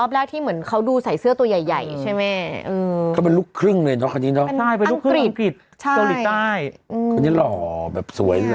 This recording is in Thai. คนนี้หล่อแบบสวย